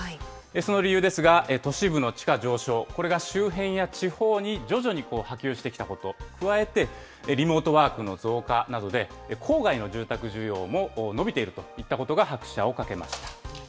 その理由ですが、都市部の地価上昇、これが周辺や地方に徐々に波及してきたこと、加えてリモートワークの増加などで、郊外の住宅需要も伸びているといったことが拍車をかけました。